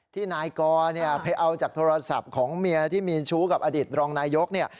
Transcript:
ที่นายกอเนี่ยไปเอาจากโทรศัพท์ของเมียที่มีชู้กับอดีตรองนายกเนี่ย